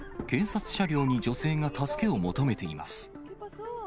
警察車両に女性が助けを求めています。